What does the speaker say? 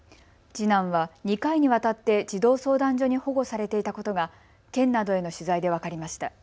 次男は２回にわたって児童相談所に保護されていたことが県などへの取材で分かりました。